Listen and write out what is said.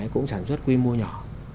cũng sản xuất quy mô nhỏ